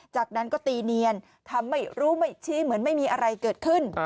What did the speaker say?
จากนั้นก็ตีเนียนทำไม่รู้ไม่ชี้เหมือนไม่มีอะไรเกิดขึ้น